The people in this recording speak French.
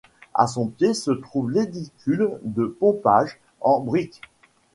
À son pied se trouve l'édicule de pompage, en brique.